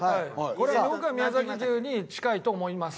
これは僕は宮崎牛に近いと思います。